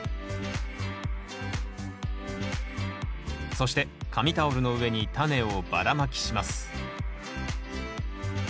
そして紙タオルの上にタネをばらまきします